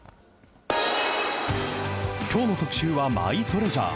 きょうの特集はマイトレジャー。